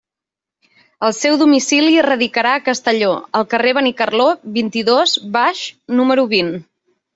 El seu domicili radicarà a Castelló, al carrer Benicarló, vint-i-dos, baix, número vint.